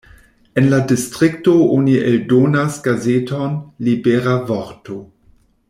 En la distrikto oni eldonas gazeton "Libera vorto".